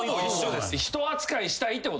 人扱いしたいってことね。